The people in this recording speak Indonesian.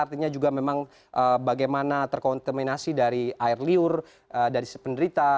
artinya juga memang bagaimana terkontaminasi dari air liur dari si penderita